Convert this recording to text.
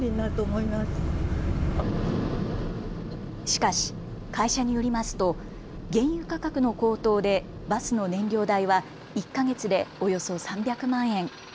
しかし会社によりますと原油価格の高騰でバスの燃料代は１か月でおよそ３００万円。